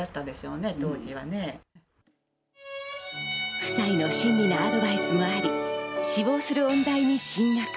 夫妻の親身なアドバイスもあり、志望する音大に進学。